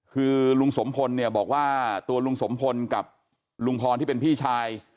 คือลุงสมพลเนี่ยบอกว่าตัวลุงสมพลกับลุงพรที่เป็นพี่ชาย